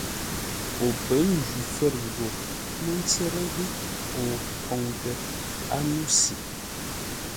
O pə̌ njwí fə̂r gho mə́ tsə́rə́ ghiʼ o khwoŋtə ányúsʉ.